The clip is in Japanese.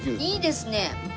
いいですね！